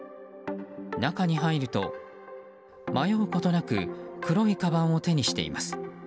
中に入ると迷うことなく黒いかばんを手にしています。